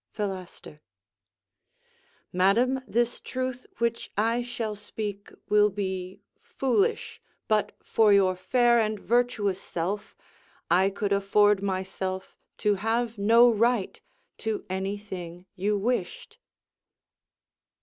Philaster Madam, this truth which I shall speak will be Foolish: but, for your fair and virtuous self, I could afford myself to have no right To any thing you wished.